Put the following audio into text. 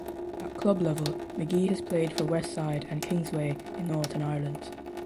At club level Magee has played for Westside and Kingsway in Northern Ireland.